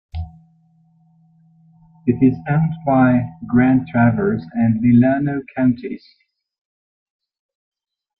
It is owned by Grand Traverse and Leelanau counties.